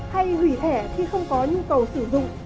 hay hủy thẻ khi không có nhu cầu sử dụng